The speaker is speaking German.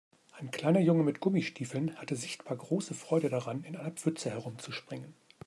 Ein kleiner Junge mit Gummistiefeln hatte sichtbar große Freude daran, in einer Pfütze herumzuspringen.